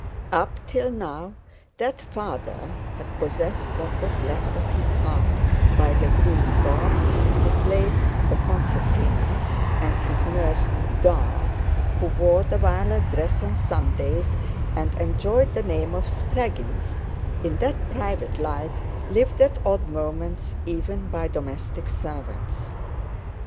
Up till now that father had possessed what was left of his heart by the groom, Bob, who played the concertina, and his nurse "Da," who wore the violet dress on Sundays, and enjoyed the name of Spraggins in that private life lived at odd moments even by domestic servants.